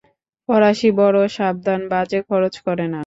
ফরাসী বড় সাবধান, বাজে খরচ করে না।